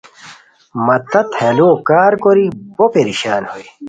مہ تت ہیہُ لوؤ کار کوری بو پریشان ہوئے